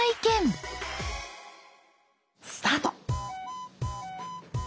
スタート。